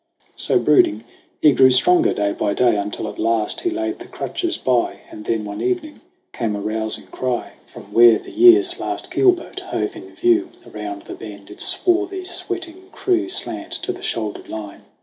So brooding, he grew stronger day by day, Until at last he laid the crutches by. And then one evening came a rousing cry 94 THE RETURN OF THE GHOST 95 From where the year's last keelboat hove in view Around the bend, its swarthy, sweating crew Slant to the shouldered line.